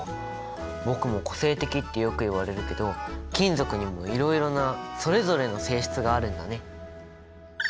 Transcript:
僕も個性的ってよく言われるけど金属にもいろいろなそれぞれの性質があるんだね。